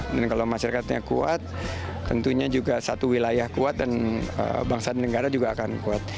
kalau masyarakatnya kuat tentunya juga satu wilayah kuat dan bangsa dan negara juga akan kuat